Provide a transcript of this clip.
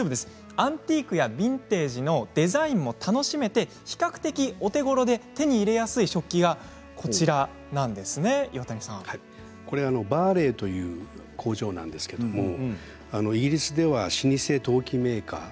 アンティークやビンテージのデザインも楽しめ比較的お手ごろで手に入りやすい食器がバーレイという工場なんですけれどもイギリスでは老舗陶器メーカー